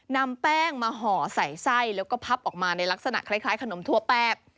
นำแป้งมาห่อใส่ไส้แล้วก็พับออกมาในลักษณะคล้ายขนมถั่วแป้ง